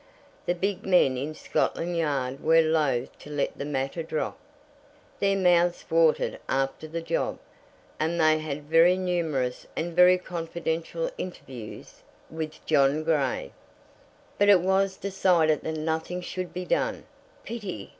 The big men in Scotland Yard were loth to let the matter drop. Their mouths watered after the job, and they had very numerous and very confidential interviews with John Grey. But it was decided that nothing should be done. "Pity!"